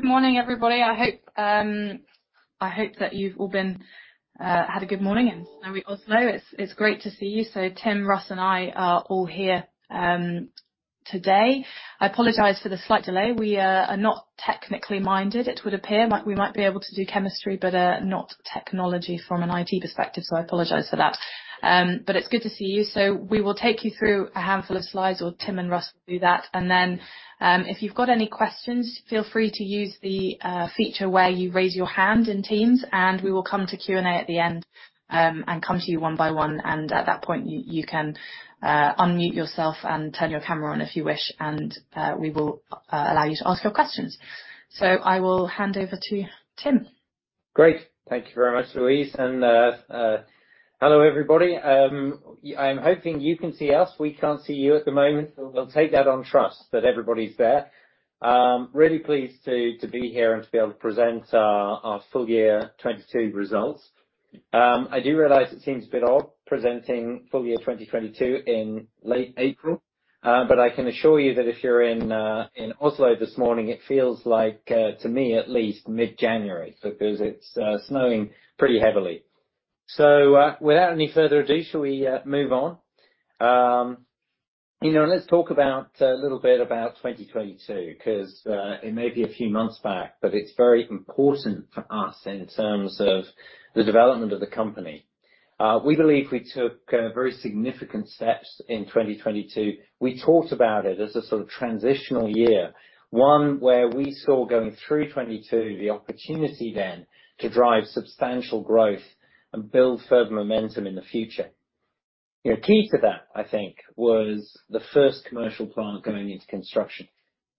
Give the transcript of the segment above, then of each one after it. Good morning, everybody. I hope that you've all been had a good morning in snowy Oslo. It's, it's great to see you. Tim, Russ and I are all here today. I apologize for the slight delay. We are not technically minded, it would appear. Like, we might be able to do chemistry, but not technology from an IT perspective, so I apologize for that. It's good to see you. We will take you through a handful of slides, or Tim and Russ will do that. If you've got any questions, feel free to use the feature where you raise your hand in Teams, and we will come to Q&A at the end, and come to you one by one, and at that point, you can unmute yourself and turn your camera on if you wish, and we will allow you to ask your questions. I will hand over to Tim. Great. Thank you very much, Louise. Hello everybody. I'm hoping you can see us. We can't see you at the moment, we'll take that on trust that everybody's there. Really pleased to be here and to be able to present our full year 2022 results. I do realize it seems a bit odd presenting full year 2022 in late April, but I can assure you that if you're in Oslo this morning, it feels like to me at least, mid-January, because it's snowing pretty heavily. Without any further ado, shall we move on? You know, let's talk about a little bit about 2022 'cause it may be a few months back, but it's very important for us in terms of the development of the company. We believe we took very significant steps in 2022. We talked about it as a sort of transitional year, one where we saw going through 2022 the opportunity then to drive substantial growth and build further momentum in the future. You know, key to that, I think, was the first commercial plant going into construction.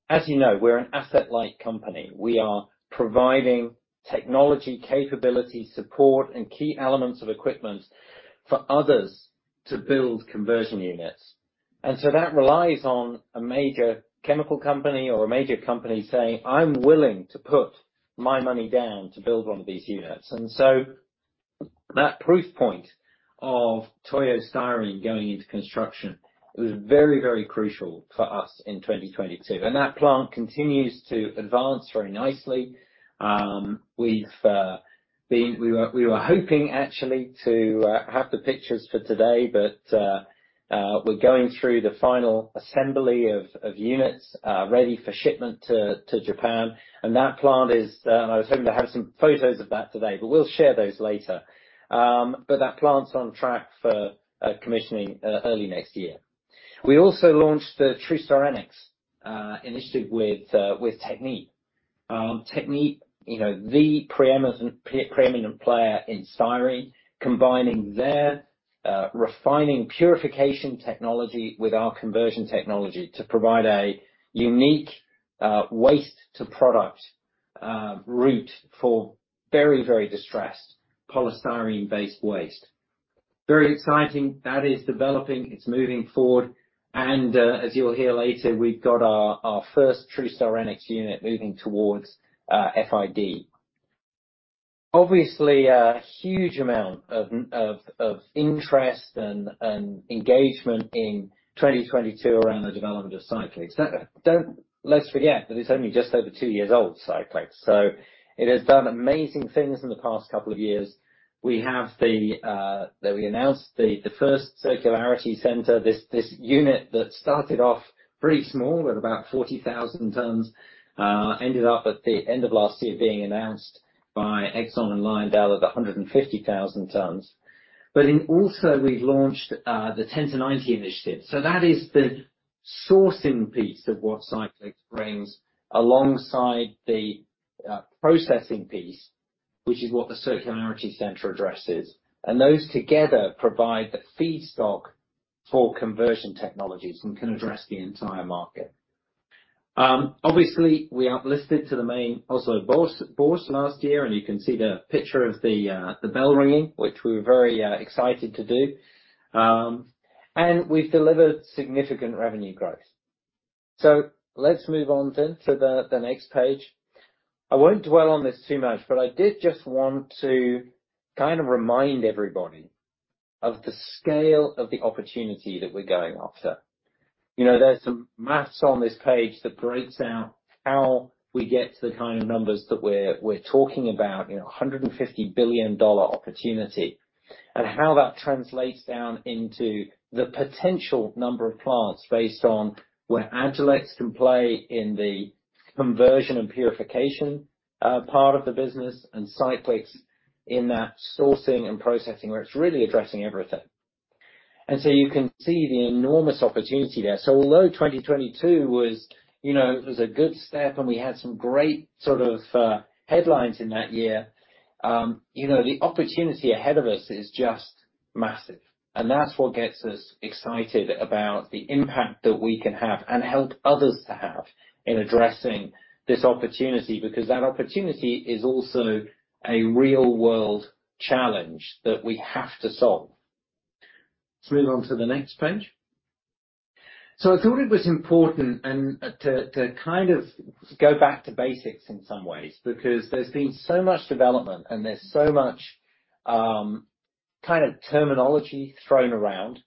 As you know, we're an asset-light company. We are providing technology capability, support and key elements of equipment for others to build conversion units. That relies on a major chemical company or a major company saying, "I'm willing to put my money down to build one of these units." That proof point of Toyo Styrene going into construction, it was very crucial for us in 2022. That plant continues to advance very nicely. We were hoping actually to have the pictures for today, but we're going through the final assembly of units ready for shipment to Japan. That plant is, I was hoping to have some photos of that today, but we'll share those later. That plant's on track for commissioning early next year. We also launched the TruStyrenics initiative with Technip. Technip, you know, the preeminent player in styrene, combining their refining purification technology with our conversion technology to provide a unique waste-to-product route for very distressed polystyrene-based waste. Very exciting. That is developing. It's moving forward. As you'll hear later, we've got our first TruStyrenics unit moving towards FID. Obviously a huge amount of interest and engagement in 2022 around the development of Cyclyx. Let's forget that it's only just over two years old, Cyclyx. It has done amazing things in the past couple of years. We have the. That we announced the first Circularity Center. This unit that started off pretty small at about 40,000 tons ended up at the end of last year being announced by Exxon and Lyondell at 150,000 tons. Also we've launched the 10 to 90 initiative. That is the sourcing piece of what Cyclyx brings alongside the processing piece, which is what the Circularity Center addresses. Those together provide the feedstock for conversion technologies and can address the entire market. Obviously we are listed to the main Oslo Børs last year, and you can see the picture of the bell ringing, which we were very excited to do. We've delivered significant revenue growth. Let's move on to the next page. I won't dwell on this too much, but I did just want to kind of remind everybody of the scale of the opportunity that we're going after. You know, there's some math on this page that breaks out how we get to the kind of numbers that we're talking about, you know, a $150 billion opportunity, and how that translates down into the potential number of plants based on where Agilyx can play in the conversion and purification part of the business, and Cyclyx in that sourcing and processing, where it's really addressing everything. You can see the enormous opportunity there. Although 2022 was, you know, was a good step and we had some great sort of headlines in that year, you know, the opportunity ahead of us is just massive. That's what gets us excited about the impact that we can have and help others to have in addressing this opportunity, because that opportunity is also a real world challenge that we have to solve. Let's move on to the next page. I thought it was important to kind of go back to basics in some ways, because there's been so much development and there's so much kind of terminology thrown around.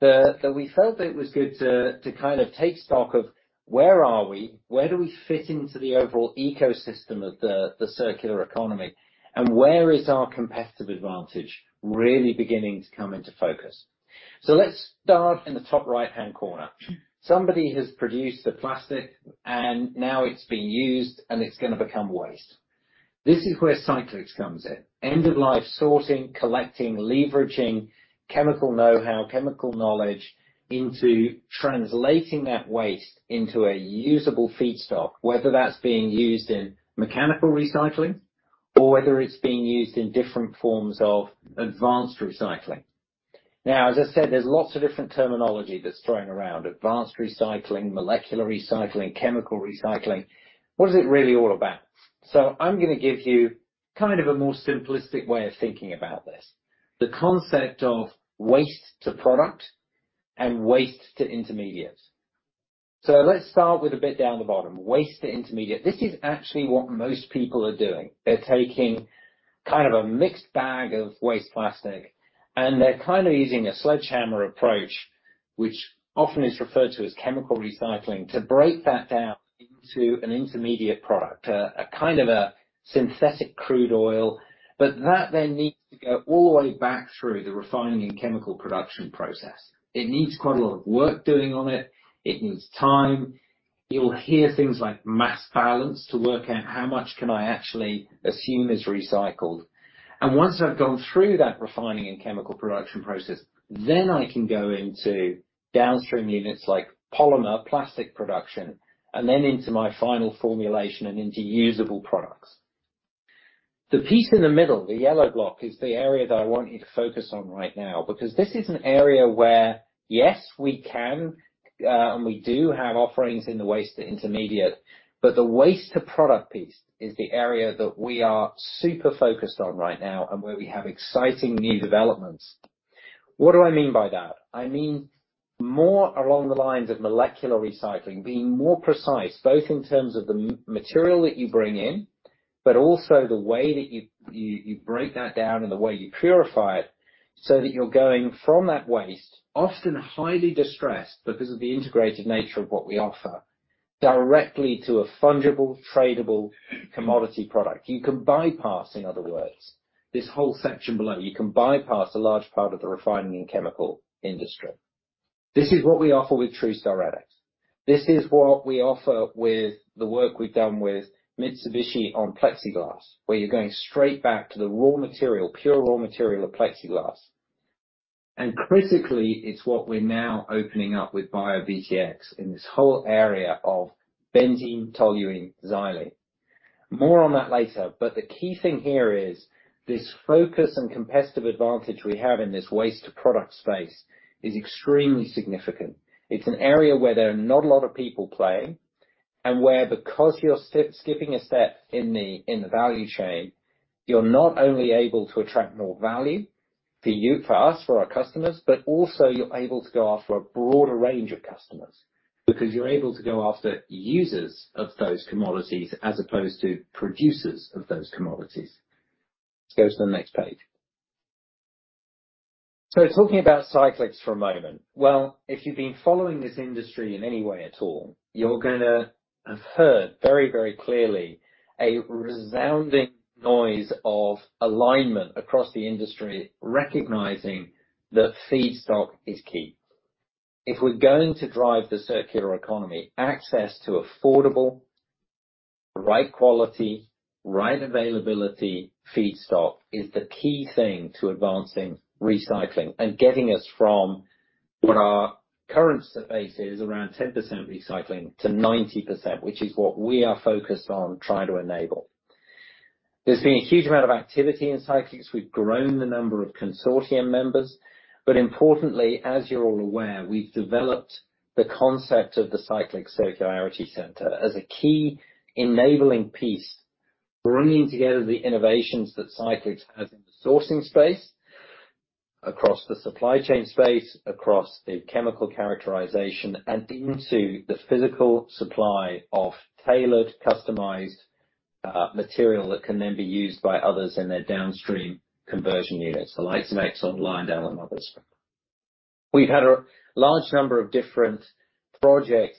That we felt it was good to kind of take stock of where are we, where do we fit into the overall ecosystem of the circular economy, and where is our competitive advantage really beginning to come into focus. Let's start in the top right-hand corner. Somebody has produced the plastic and now it's been used and it's gonna become waste. This is where Cyclyx comes in. End of life sorting, collecting, leveraging, chemical know-how, chemical knowledge into translating that waste into a usable feedstock, whether that's being used in mechanical recycling or whether it's being used in different forms of advanced recycling. As I said, there's lots of different terminology that's thrown around, advanced recycling, molecular recycling, chemical recycling. What is it really all about? I'm gonna give you kind of a more simplistic way of thinking about this. The concept of waste to product and waste to intermediates. Let's start with a bit down the bottom. Waste to intermediate. This is actually what most people are doing. They're taking kind of a mixed bag of waste plastic, and they're kind of using a sledgehammer approach, which often is referred to as chemical recycling, to break that down into an intermediate product, a kind of a synthetic crude oil. That then needs to go all the way back through the refining and chemical production process. It needs quite a lot of work doing on it. It needs time. You'll hear things like mass balance to work out how much can I actually assume is recycled. Once I've gone through that refining and chemical production process, then I can go into downstream units like polymer, plastic production, and then into my final formulation and into usable products. The piece in the middle, the yellow block, is the area that I want you to focus on right now, because this is an area where, yes, we can, and we do have offerings in the waste to intermediate, but the waste to product piece is the area that we are super focused on right now and where we have exciting new developments. What do I mean by that? I mean, more along the lines of molecular recycling, being more precise, both in terms of the material that you bring in, but also the way that you break that down and the way you purify it, so that you're going from that waste, often highly distressed, but this is the integrated nature of what we offer, directly to a fungible, tradable commodity product. You can bypass, in other words, this whole section below. You can bypass a large part of the refining and chemical industry. This is what we offer with TruStar RX. This is what we offer with the work we've done with Mitsubishi on plexiglass, where you're going straight back to the raw material, pure raw material of plexiglass. Critically, it's what we're now opening up with BioBTX in this whole area of benzene, toluene, xylene. More on that later, but the key thing here is, this focus and competitive advantage we have in this waste to product space is extremely significant. It's an area where there are not a lot of people playing, and where because you're skipping a step in the, in the value chain, you're not only able to attract more value for you, for us, for our customers, but also you're able to go after a broader range of customers because you're able to go after users of those commodities as opposed to producers of those commodities. Let's go to the next page. Talking about Cyclyx for a moment. Well, if you've been following this industry in any way at all, you're gonna have heard very, very clearly a resounding noise of alignment across the industry, recognizing that feedstock is key. If we're going to drive the circular economy access to affordable, right quality, right availability feedstock is the key thing to advancing recycling and getting us from what our current state is, around 10% recycling to 90%, which is what we are focused on trying to enable. There's been a huge amount of activity in Cyclyx. Importantly, as you're all aware, we've developed the concept of the Cyclyx Circularity Center as a key enabling piece, bringing together the innovations that Cyclyx has in the sourcing space across the supply chain space, across the chemical characterization and into the physical supply of tailored, customized material that can then be used by others in their downstream conversion units. The likes of Exxon, Lyondell and others. We've had a large number of different projects,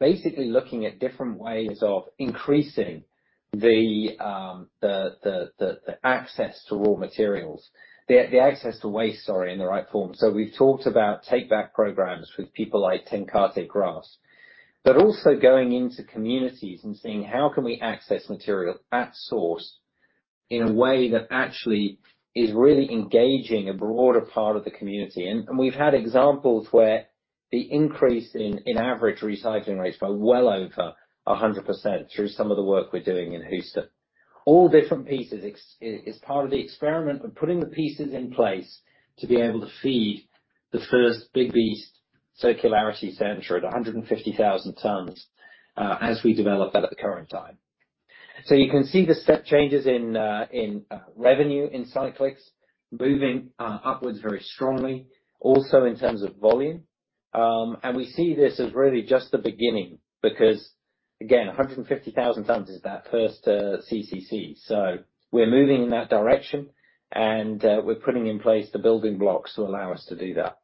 basically looking at different ways of increasing the access to raw materials. The access to waste, sorry, in the right form. We've talked about take back programs with people like Teknor Apex. Also going into communities and seeing how can we access material at source in a way that actually is really engaging a broader part of the community. We've had examples where the increase in average recycling rates by well over 100% through some of the work we're doing in Houston. All different pieces is part of the experiment of putting the pieces in place to be able to feed the first big beast Circularity Center at 150,000 tons as we develop that at the current time. You can see the step changes in revenue in Cyclyx moving upwards very strongly, also in terms of volume. We see this as really just the beginning, because again, 150,000 tons is that first CCC. We're moving in that direction, and we're putting in place the building blocks to allow us to do that.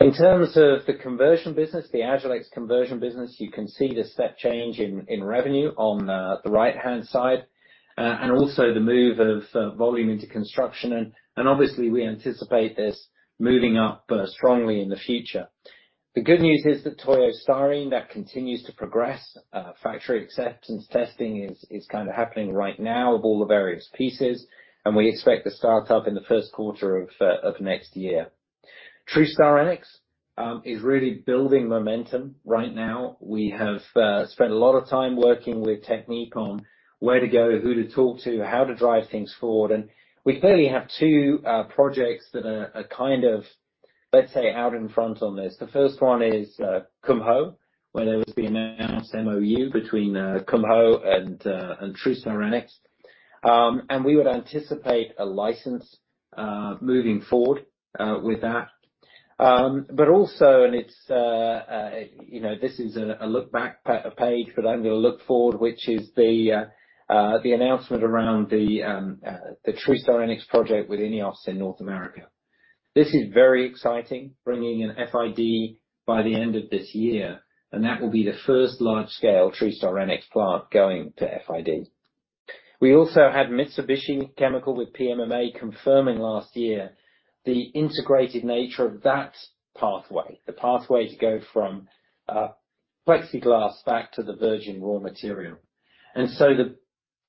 In terms of the conversion business, the Agilyx conversion business, you can see the step change in revenue on the right-hand side and also the move of volume into construction. Obviously we anticipate this moving up strongly in the future. The good news is that Toyo Styrene that continues to progress. Factory acceptance testing is kind of happening right now of all the various pieces, and we expect to start up in the first quarter of next year. TruStyrenics is really building momentum right now. We have spent a lot of time working with Technip Energies on where to go, who to talk to, how to drive things forward. We clearly have two projects that are kind of, let's say, out in front on this. The first one is Kumho, where there has been an announced MOU between Kumho and TruStyrenics. We would anticipate a license moving forward with that. It's, you know, this is a look back page, but I'm gonna look forward, which is the announcement around the TruStyrenics project with INEOS in North America. This is very exciting, bringing an FID by the end of this year, and that will be the first large scale TruStyrenics plant going to FID. We also had Mitsubishi Chemical with PMMA confirming last year the integrated nature of that pathway, the pathway to go from plexiglass back to the virgin raw material. The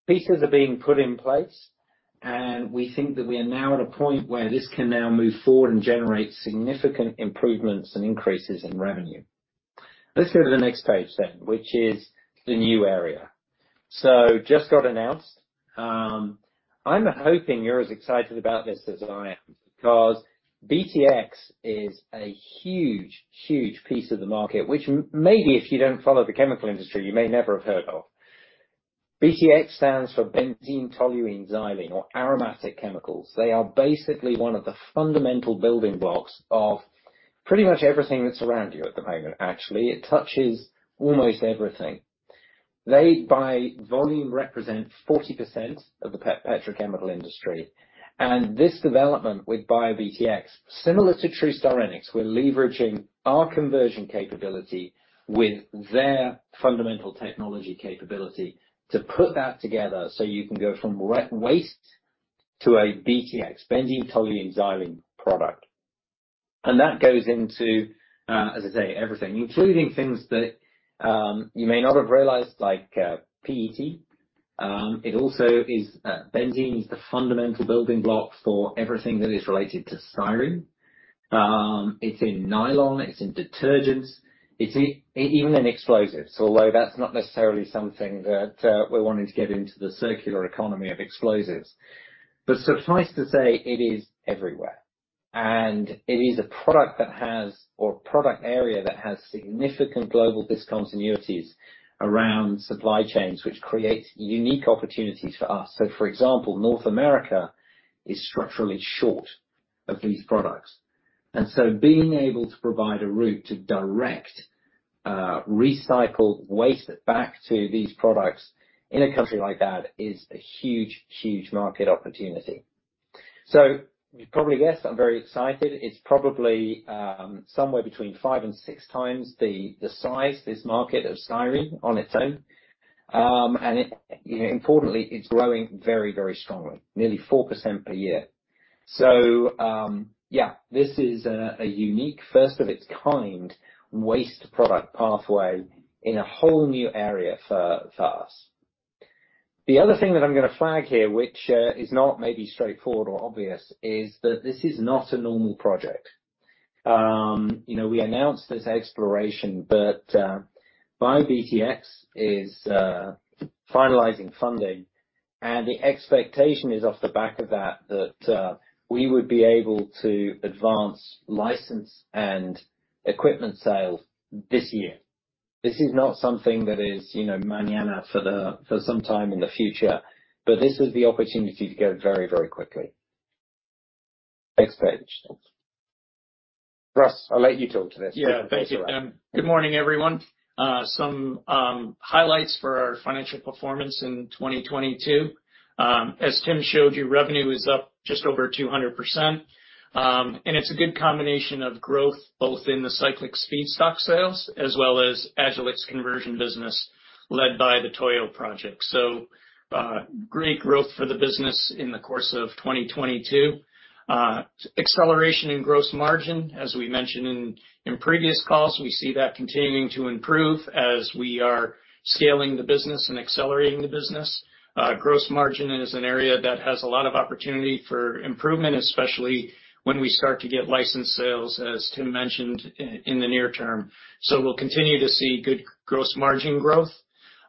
pieces are being put in place, and we think that we are now at a point where this can now move forward and generate significant improvements and increases in revenue. Let's go to the next page then, which is the new area. Just got announced. I'm hoping you're as excited about this as I am because BTX is a huge, huge piece of the market which maybe if you don't follow the chemical industry, you may never have heard of. BTX stands for benzene, toluene, xylene, or aromatic chemicals. They are basically one of the fundamental building blocks of pretty much everything that's around you at the moment, actually. It touches almost everything. They, by volume, represent 40% of the petrochemical industry. This development with BioBTX, similar to TruStyrenics, we're leveraging our conversion capability with their fundamental technology capability to put that together so you can go from waste to a BTX, benzene, toluene, xylene product. That goes into, as I say, everything, including things that you may not have realized, like PET. It also is, benzene is the fundamental building block for everything that is related to styrene. It's in nylon, it's in detergents. It's even in explosives, although that's not necessarily something that we're wanting to get into the circular economy of explosives. Suffice to say, it is everywhere, and it is a product that has or a product area that has significant global discontinuities around supply chains, which creates unique opportunities for us. For example, North America is structurally short of these products. Being able to provide a route to direct, recycled waste back to these products in a country like that is a huge, huge market opportunity. You probably guessed I'm very excited. It's probably, somewhere between five and six times the size this market of styrene on its own. It, you know, importantly, it's growing very, very strongly, nearly 4% per year. Yeah, this is a unique first of its kind waste product pathway in a whole new area for us. The other thing that I'm gonna flag here, which is not maybe straightforward or obvious, is that this is not a normal project. You know, we announced this exploration, but BioBTX is finalizing funding and the expectation is off the back of that we would be able to advance license and equipment sales this year. This is not something that is, you know, mañana for the, for some time in the future, but this is the opportunity to go very, very quickly. Next page. Russ, I'll let you talk to this. Yeah. Thank you, Tim. Good morning, everyone. Some highlights for our financial performance in 2022. As Tim showed you, revenue is up just over 200%, and it's a good combination of growth, both in the Cyclyx feedstock sales as well as Agilyx conversion business led by the Toyo project. Great growth for the business in the course of 2022. Acceleration in gross margin, as we mentioned in previous calls. We see that continuing to improve as we are scaling the business and accelerating the business. Gross margin is an area that has a lot of opportunity for improvement, especially when we start to get licensed sales, as Tim mentioned, in the near term. We'll continue to see good gross margin growth.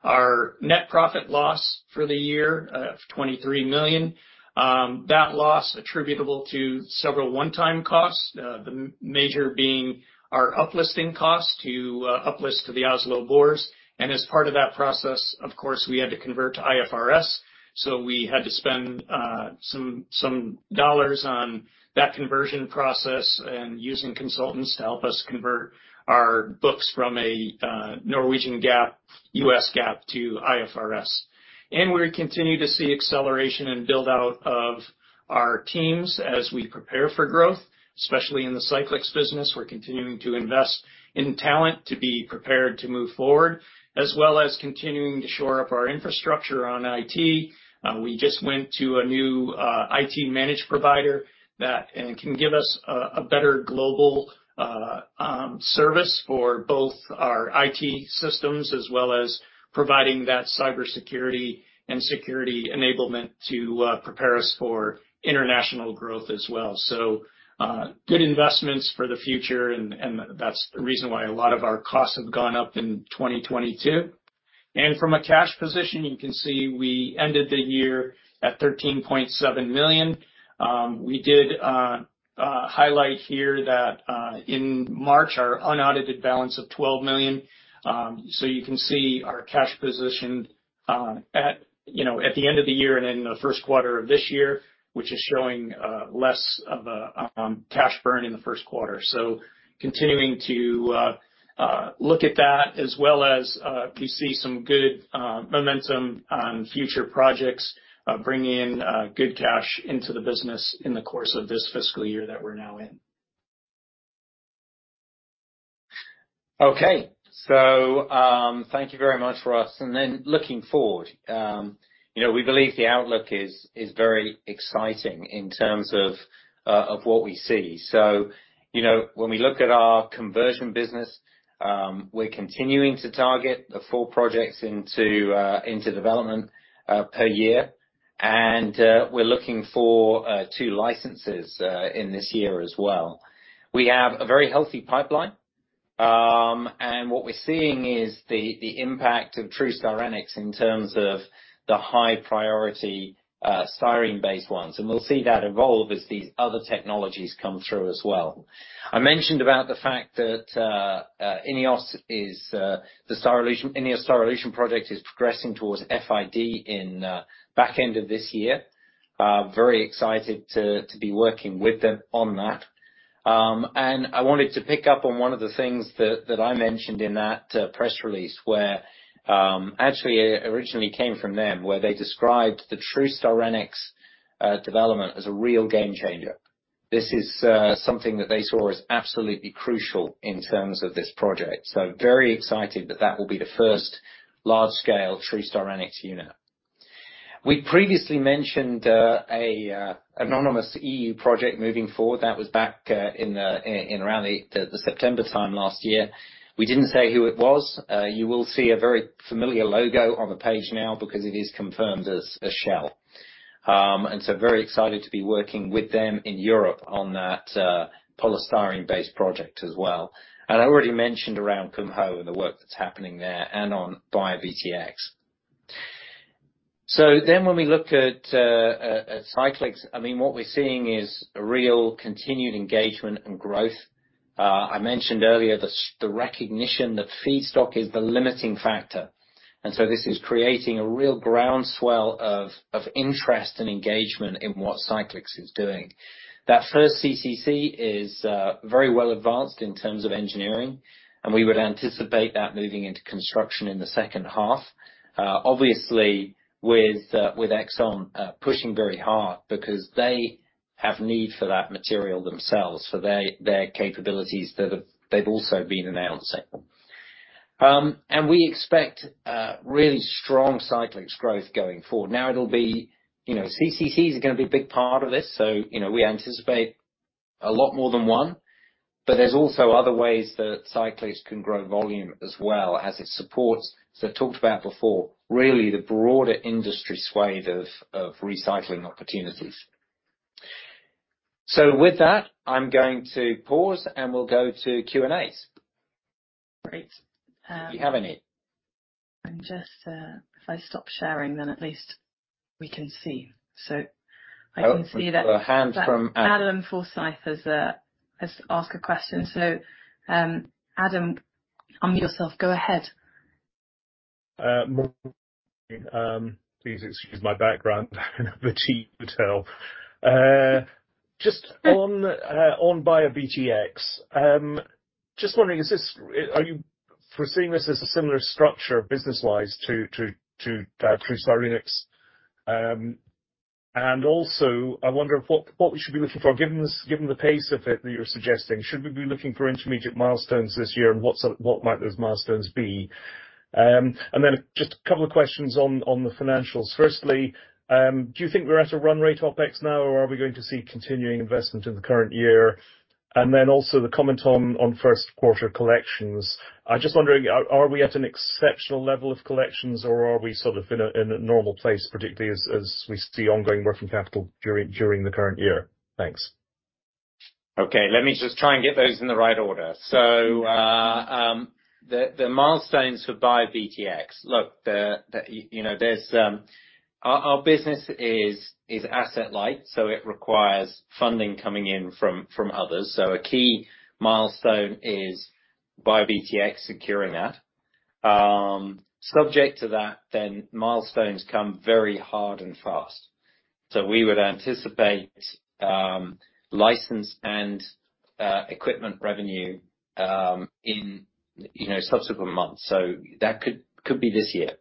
Our net profit loss for the year of $23 million, that loss attributable to several one-time costs, the major being our up-listing cost to up-list to the Oslo Børs. As part of that process, of course, we had to convert to IFRS, so we had to spend some dollars on that conversion process and using consultants to help us convert our books from a Norwegian GAAP US GAAP to IFRS. We continue to see acceleration and build out of our teams as we prepare for growth, especially in the Cyclyx business. We're continuing to invest in talent to be prepared to move forward, as well as continuing to shore up our infrastructure on IT. We just went to a new IT managed provider that can give us a better global service for both our IT systems as well as providing that cybersecurity and security enablement to prepare us for international growth as well. Good investments for the future and that's the reason why a lot of our costs have gone up in 2022. From a cash position, you can see we ended the year at $13.7 million. We did highlight here that in March, our unaudited balance of $12 million, you can see our cash position, you know, at the end of the year and in the first quarter of this year, which is showing less of a cash burn in the first quarter. Continuing to look at that as well as we see some good momentum on future projects, bringing in good cash into the business in the course of this fiscal year that we're now in. Okay. Thank you very much, Russ. Looking forward, you know, we believe the outlook is very exciting in terms of what we see. You know, when we look at our conversion business, we're continuing to target the four projects into development per year. We're looking for two licenses in this year as well. We have a very healthy pipeline. What we're seeing is the impact of TruStyrenics in terms of the high priority styrene-based ones, and we'll see that evolve as these other technologies come through as well. I mentioned about the fact that INEOS is the INEOS Styrolution project is progressing towards FID in back end of this year. Very excited to be working with them on that. I wanted to pick up on one of the things that I mentioned in that press release, where actually it originally came from them, where they described the TruStyrenics development as a real game changer. This is something that they saw as absolutely crucial in terms of this project. Very excited that that will be the first large scale TruStyrenics unit. We previously mentioned a anonymous EU project moving forward. That was back in around the September time last year. We didn't say who it was. You will see a very familiar logo on the page now because it is confirmed as Shell. Very excited to be working with them in Europe on that polystyrene-based project as well. I already mentioned around Kumho and the work that's happening there and on BioBTX. When we look at Cyclyx, I mean, what we're seeing is a real continued engagement and growth. I mentioned earlier the recognition that feedstock is the limiting factor, this is creating a real groundswell of interest and engagement in what Cyclyx is doing. That first CCC is very well advanced in terms of engineering, we would anticipate that moving into construction in the second half. Obviously with Exxon pushing very hard because they have need for that material themselves, for their capabilities they've also been announcing. We expect really strong Cyclyx growth going forward. It'll be, you know, CCCs are gonna be a big part of this. You know, we anticipate a lot more than one. There's also other ways that Cyclyx can grow volume as well as it supports, as I talked about before, really the broader industry swathe of recycling opportunities. With that, I'm going to pause and we'll go to Q&As. Great. If you have any. I'm just... If I stop sharing, then at least we can see. I can see. Oh, hands from- Adam Forsyth has asked a question. Adam, unmute yourself. Go ahead. Morning. Please excuse my background in a cheap hotel. Just on BioBTX. Just wondering, are you foreseeing this as a similar structure business-wise to TruStyrenics? Also, I wonder if what we should be looking for, given the pace of it that you're suggesting, should we be looking for intermediate milestones this year? What might those milestones be? Then just a couple of questions on the financials. Firstly, do you think we're at a run rate OPEX now, or are we going to see continuing investment in the current year? Also the comment on first quarter collections. I'm just wondering, are we at an exceptional level of collections or are we sort of in a normal place, particularly as we see ongoing working capital during the current year? Thanks. OK. Let me just try to get those in the right order. So the milestones for BioBTX. Look, there's -- our business is asset-light, so it requires funding coming in from others. So a key milestone is BioBTX securing that. Subject to that, then milestones come very hard and fast. So we would anticipate license and equipment revenue in subsequent months. That could be this year.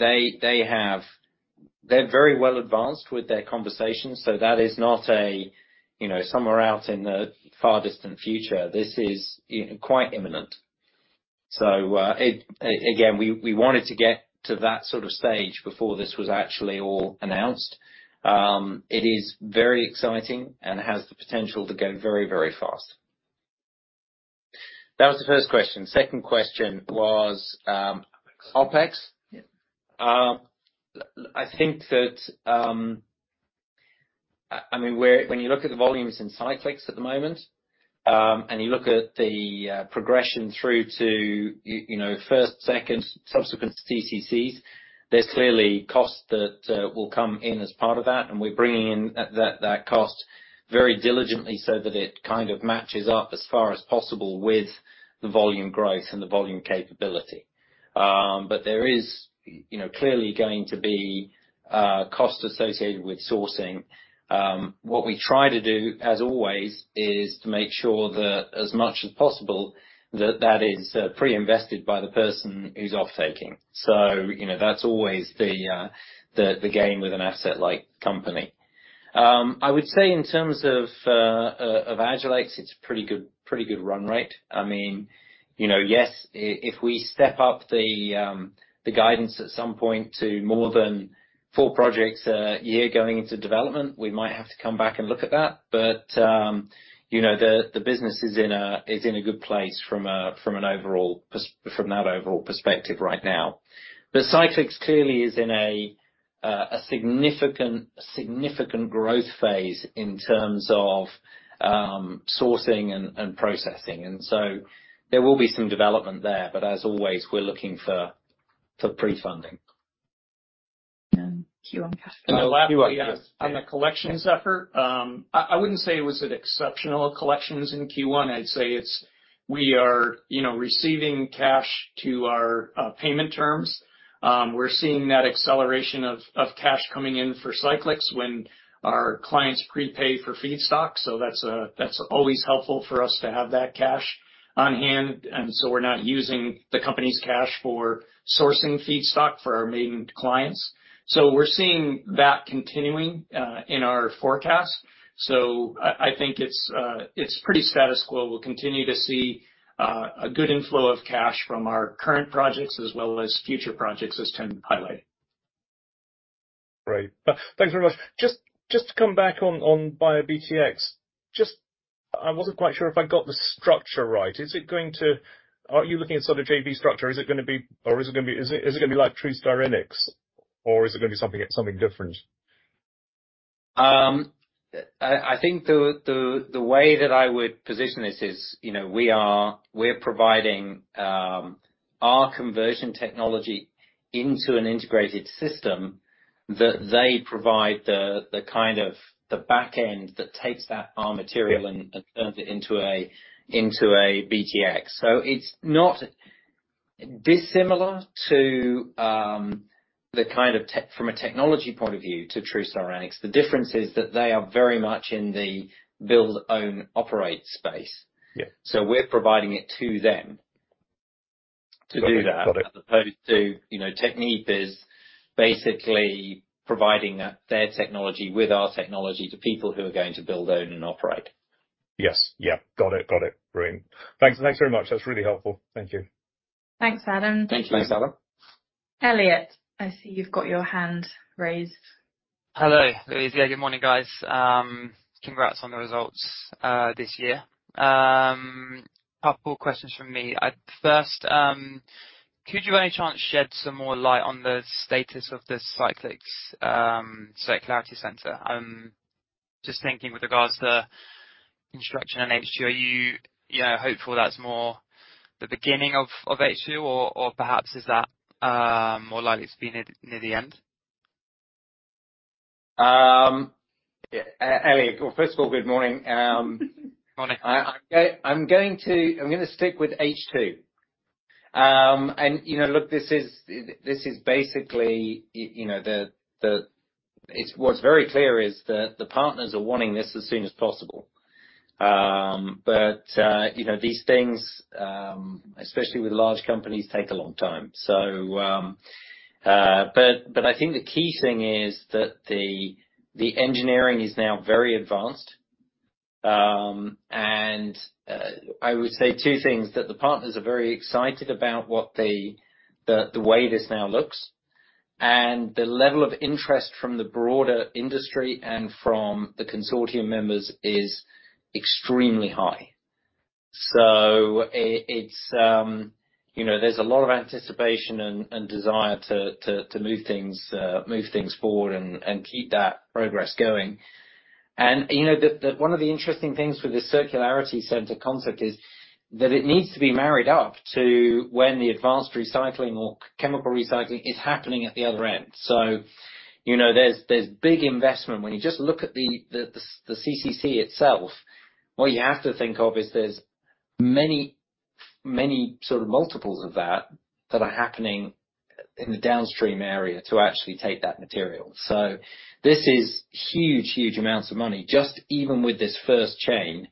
They have, they're very well advanced with their conversations, so that is not somewhere out in the far distant future. This is in quite imminent. Again, we wanted to get to that sort of stage before this was actually all announced. It is very exciting and has the potential to go very, very fast. That was the first question. Second question was. OPEX. I think that, when you look at the volumes in Cyclyx at the moment, and you look at the progression through to you know, first, second, subsequent CCCs, there's clearly costs that will come in as part of that, and we're bringing in that cost very diligently so that it kind of matches up as far as possible with the volume growth and the volume capability. But there is, you know, clearly going to be cost associated with sourcing. What we try to do, as always, is to make sure that as much as possible that that is pre-invested by the person who's offtaking. That's always the game with an asset-like company. I would say in terms of of Agilyx, it's pretty good, pretty good run rate. I mean, you know, yes, if we step up the guidance at some point to more than four projects a year going into development, we might have to come back and look at that. You know, the business is in a good place from an overall perspective right now. Cyclyx clearly is in a significant growth phase in terms of sourcing and processing. There will be some development there. As always, we're looking for pre-funding. Q1. [inaudible] On the collections effort, I wouldn't say it was an exceptional collections in Q1. I'd say it's. We are, you know, receiving cash to our payment terms. We're seeing that acceleration of cash coming in for Cyclyx when our clients prepay for feedstock. That's always helpful for us to have that cash on hand. We're not using the company's cash for sourcing feedstock for our main clients. We're seeing that continuing in our forecast. I think it's pretty status quo. We'll continue to see a good inflow of cash from our current projects as well as future projects, as Tim highlighted. Great. thanks very much. Just to come back on BioBTX, just I wasn't quite sure if I got the structure right. Are you looking at sort of JV structure? Is it gonna be like TruStyrenyx, or is it gonna be something different? I think the way that I would position this is, you know, we are, we're providing our conversion technology into an integrated system that they provide the kind of the back end that takes that, our material and turns it into a, into a BTX. It's not dissimilar to the kind of from a technology point of view, to TruStyrenyx. The difference is that they are very much in the build, own, operate space. Yeah. We're providing it to them to do that. Got it. As opposed to, you know, Technip is basically providing, their technology with our technology to people who are going to build, own and operate. Yes. Yeah. Got it, got it. Brilliant. Thanks. Thanks very much. That's really helpful. Thank you. Thanks, Adam. Thank you. Thanks, Adam. Elliott, I see you've got your hand raised. Hello. Yeah, good morning, guys. Congrats on the results, this year. Couple questions from me. First, could you by any chance shed some more light on the status of the Cyclyx Circularity Center? Just thinking with regards to instruction and H2, are you know, hopeful that's more the beginning of H2, or perhaps is that more likely to be near the end? Yeah. Elliott, well, first of all, good morning. Morning. I'm gonna stick with H2. You know, look, this is, this is basically you know, what's very clear is that the partners are wanting this as soon as possible. You know, these things, especially with large companies, take a long time. I think the key thing is that the engineering is now very advanced. I would say two things, that the partners are very excited about what the way this now looks, and the level of interest from the broader industry and from the consortium members is extremely high. It's, you know, there's a lot of anticipation and desire to move things forward and keep that progress going. One of the interesting things with this Circularity Center concept is that it needs to be married up to when the advanced recycling or chemical recycling is happening at the other end. You know, there's big investment. When you just look at the CCC itself, what you have to think of is there's many sort of multiples of that are happening in the downstream area to actually take that material. This is huge, huge amounts of money, just even with this first chain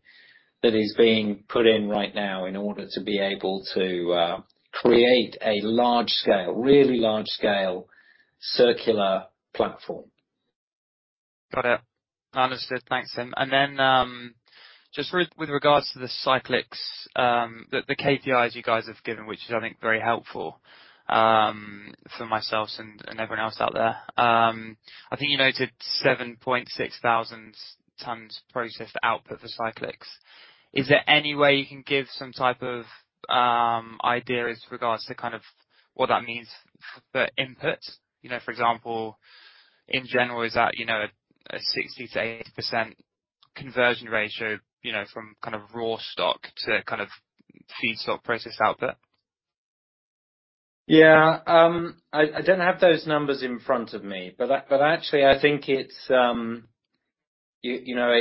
that is being put in right now in order to be able to create a large scale, really large scale circular platform. Got it. Understood. Thanks, Tim. Just with regards to the Cyclyx, the KPIs you guys have given, which is, I think, very helpful, for myself and everyone else out there. I think you noted 7,600 tons processed output for Cyclyx. Is there any way you can give some type of idea as regards to kind of what that means for the input? You know, for example, in general, is that, you know, a 60%-80% conversion ratio, you know, from kind of raw stock to kind of feedstock process output? Yeah. I don't have those numbers in front of me. Actually I think it's, you know,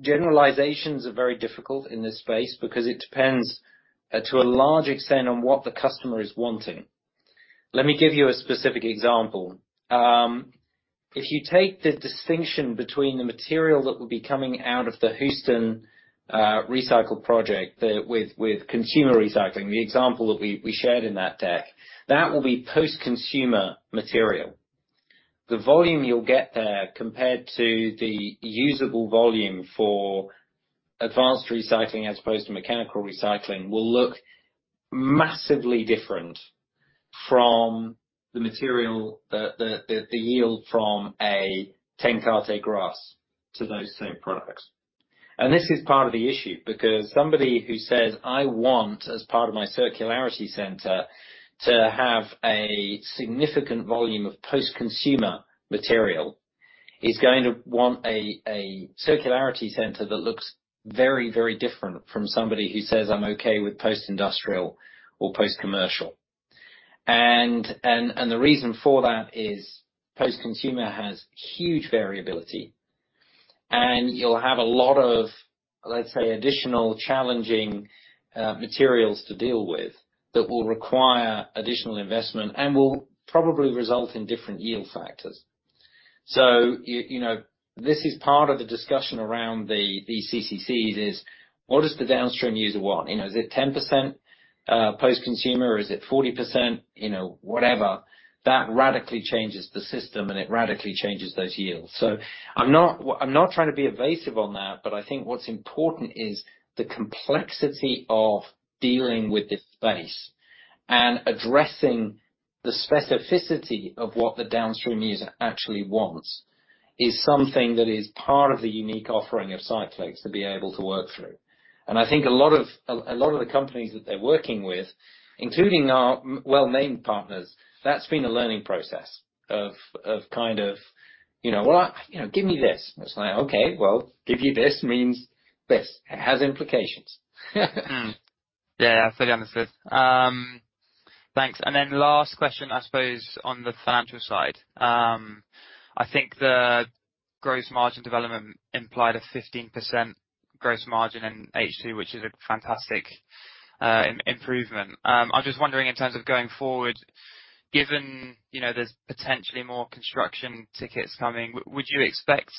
generalizations are very difficult in this space because it depends to a large extent on what the customer is wanting. Let me give you a specific example. If you take the distinction between the material that would be coming out of the Houston recycle project there with consumer recycling, the example that we shared in that deck. That will be post-consumer material. The volume you'll get there compared to the usable volume for advanced recycling as opposed to mechanical recycling, will look massively different from the material that yield from a 10 to 90 initiative to those same products. This is part of the issue, because somebody who says, "I want, as part of my Circularity Center, to have a significant volume of post-consumer material," is going to want a Circularity Center that looks very, very different from somebody who says, "I'm okay with post-industrial or post-commercial." The reason for that is post-consumer has huge variability. You'll have a lot of, let's say, additional challenging materials to deal with that will require additional investment and will probably result in different yield factors. You know, this is part of the discussion around the CCCs, is what does the downstream user want? You know, is it 10% post-consumer or is it 40%? You know, whatever. That radically changes the system and it radically changes those yields. I'm not trying to be evasive on that, but I think what's important is the complexity of dealing with this space and addressing the specificity of what the downstream user actually wants, is something that is part of the unique offering of Cyclyx to be able to work through. I think a lot of the companies that they're working with, including our well-named partners, that's been a learning process of kind of, you know, "Well, you know, give me this." It's like, "Okay. Well, give you this means this." It has implications. Yeah. Fully understood. Thanks. Last question, I suppose, on the financial side. I think the gross margin development implied a 15% gross margin in H2, which is a fantastic improvement. I'm just wondering, in terms of going forward, given, you know, there's potentially more construction tickets coming, would you expect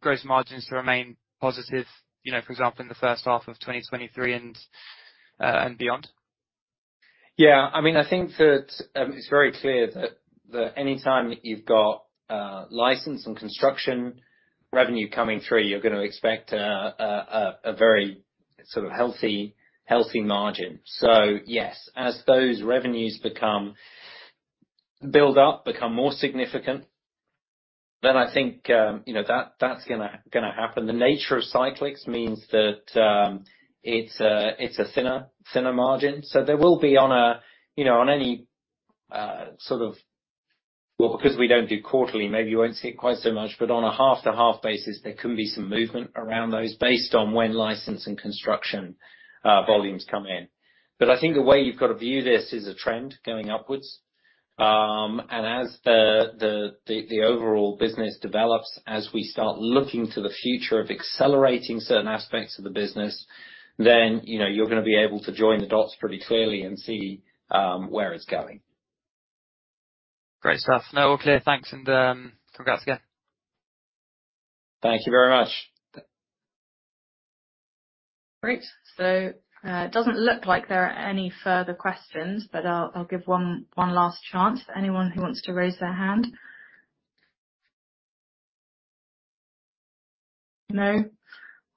gross margins to remain positive, you know, for example, in the first half of 2023 and beyond? I mean, I think that it's very clear that anytime you've got license and construction revenue coming through, you're gonna expect a very sort of healthy margin. As those revenues build up, become more significant, then I think, you know, that's gonna happen. The nature of Cyclyx means that it's a thinner margin. There will be on a, you know, Well, because we don't do quarterly, maybe you won't see it quite so much. On a half to half basis, there can be some movement around those based on when license and construction volumes come in. I think the way you've got to view this is a trend going upwards. As the overall business develops, as we start looking to the future of accelerating certain aspects of the business, then, you know, you're gonna be able to join the dots pretty clearly and see where it's going. Great stuff. No, all clear. Thanks. Congrats again. Thank you very much. Great. It doesn't look like there are any further questions, but I'll give one last chance for anyone who wants to raise their hand. No?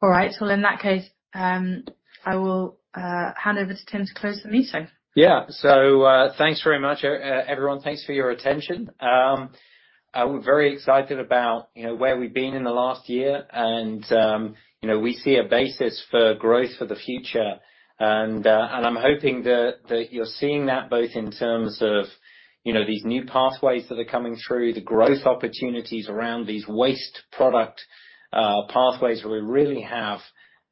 All right. In that case, I will hand over to Tim to close the meeting. Thanks very much, everyone. Thanks for your attention. We're very excited about, you know, where we've been in the last year and, you know, we see a basis for growth for the future. I'm hoping that you're seeing that both in terms of, you know, these new pathways that are coming through, the growth opportunities around these waste product pathways where we really have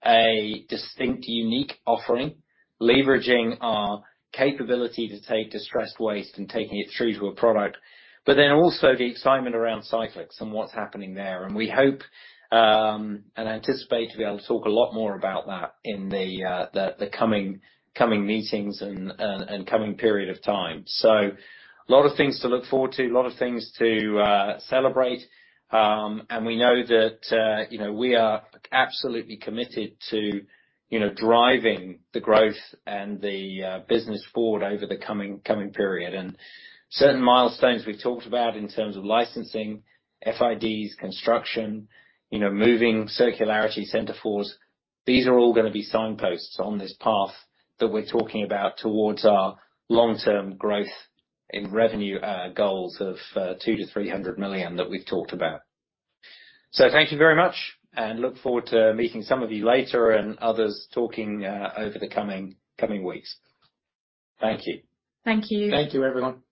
a distinct, unique offering, leveraging our capability to take distressed waste and taking it through to a product. Also the excitement around Cyclyx and what's happening there. We hope and anticipate to be able to talk a lot more about that in the coming meetings and coming period of time. A lot of things to look forward to, a lot of things to celebrate. We know that, you know, we are absolutely committed to, you know, driving the growth and the business forward over the coming period. Certain milestones we've talked about in terms of licensing, FIDs, construction, you know, moving Circularity Center force, these are all gonna be signposts on this path that we're talking about towards our long-term growth in revenue goals of $200 million-$300 million that we've talked about. Thank you very much, and look forward to meeting some of you later and others talking over the coming weeks. Thank you. Thank you. Thank you, everyone.